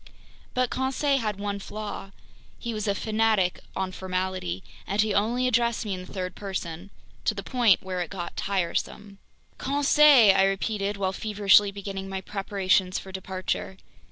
But Conseil had one flaw. He was a fanatic on formality, and he only addressed me in the third person—to the point where it got tiresome. "Conseil!" I repeated, while feverishly beginning my preparations for departure.